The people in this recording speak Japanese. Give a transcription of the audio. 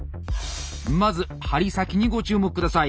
まず針先にご注目下さい。